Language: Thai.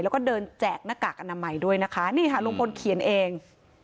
แล้วก็เดินแจกหน้ากากอนามัยด้วยนะคะนี่ค่ะลุงพลเขียนเอง